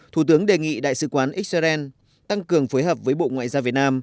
thủ tướng đề nghị đại sứ quán israel tăng cường phối hợp với bộ ngoại giao việt nam